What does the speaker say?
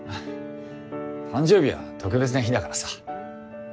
誕生日は特別な日だからさ。